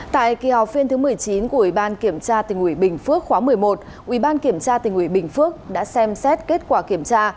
tại kỳ họp phiên thứ một mươi chín của ubktnb phước khóa một mươi một ubktnb phước đã xem xét kết quả kiểm tra